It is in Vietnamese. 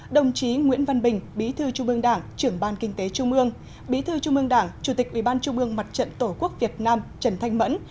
đồng chí nguyễn văn bình bí thư trung ương đảng trưởng ban kinh tế trung ương bí thư trung ương đảng chủ tịch ubnd mặt trận tổ quốc việt nam trần thanh mẫn